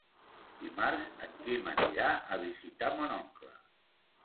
Dimarts en Quim anirà a visitar mon oncle.